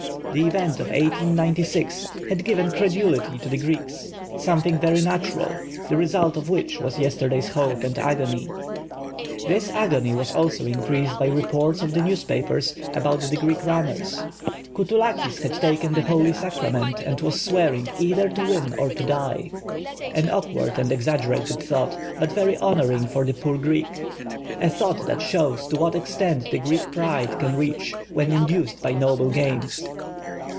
The event of i8y6 had given credulity to the Greeks, something very natural, the result of which was yesterday's hope and agony. This agony was also increased by reports of the newspapers about the Greek runners: "Coutoul akis had taken the holy sacrament and was swearing either to win or to die" ‚ÄĒ an awkward and exaggerated thought but very hoimuring for the poor Greek, a thought that shows to what extent the Greek pride can reach when induced by noble games.